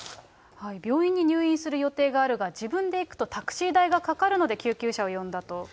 病院に入院する予定があるが、自分で行くとタクシー代がかかる５３歳。